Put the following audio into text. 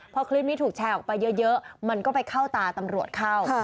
พอคลิปนี้ถูกแชร์ออกไปเยอะมันก็ไปเข้าตาตำรวจเข้า